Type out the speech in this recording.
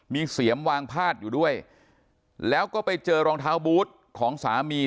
มีเสียมวางพาดอยู่ด้วยแล้วก็ไปเจอรองเท้าบูธของสามี